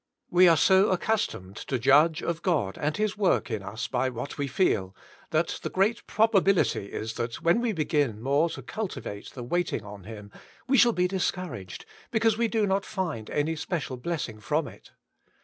We are so accustomed to judge of God and His work in us by what we feel, that the great probability is that when we begin more to cultivate the waiting on Him, we shall be discouraged, because we do not find any special blessing from it.